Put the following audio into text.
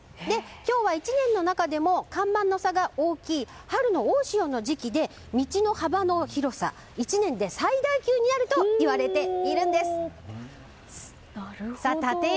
今日は１年の中でも干満の差が大きい春の大潮の時期で道の幅の広さ１年で最大級になるといわれているんです。